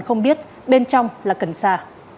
không biết bên trong là cần xa